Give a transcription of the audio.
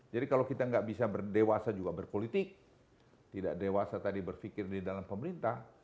jadi kalau kita tidak bisa dewasa juga berpolitik tidak dewasa tadi berpikir di dalam pemerintah